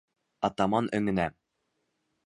Атаман өңөнә.